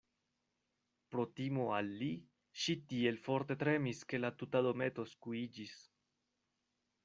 Pro timo al li, ŝi tiel forte tremis ke la tuta dometo skuiĝis.